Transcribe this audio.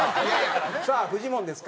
さあフジモンですか。